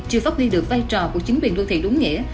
chưa phát huy được vai trò của chính quyền đô thị đúng nghĩa